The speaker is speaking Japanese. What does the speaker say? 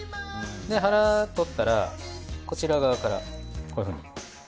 腹取ったらこちら側からこういうふうに。